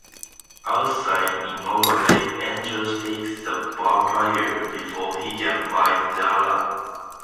Outside, in an alley, Angel stakes the vampire before he can bite Darla.